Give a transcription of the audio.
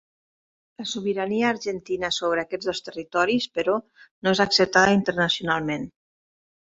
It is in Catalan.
La sobirania argentina sobre aquests dos territoris, però, no és acceptada internacionalment.